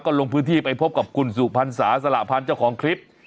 ลงพื้นที่ไปพบกับคุณสุพรรษาสละพันธ์เจ้าของคลิป